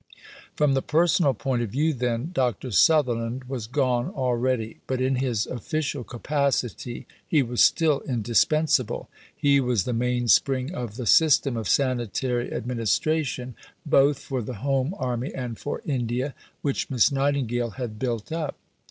From the personal point of view, then, Dr. Sutherland was gone already; but in his official capacity he was still indispensable. He was the mainspring of the system of sanitary administration, both for the home Army and for India, which Miss Nightingale had built up.